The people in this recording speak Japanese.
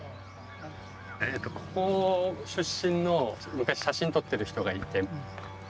ここ出身の昔写真撮ってる人がいて。